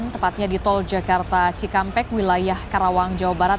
tepatnya di tol jakarta cikampek wilayah karawang jawa barat